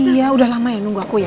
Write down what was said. iya udah lama ya nunggu aku ya